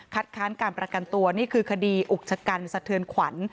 ค้านการประกันตัวนี่คือคดีอุกชะกันสะเทือนขวัญ